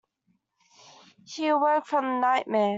She awoke from the nightmare.